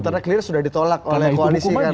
soalnya itu hukumannya